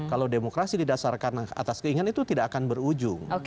kalau demokrasi didasarkan atas keinginan itu tidak akan berujung